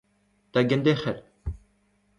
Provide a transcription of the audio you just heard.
Da genderc'hel